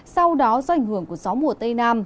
sau đó do ảnh hưởng của gió mùa tây nam